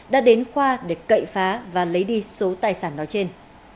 đã đến khoa để cậy phá và lấy đi số tài sản nói trên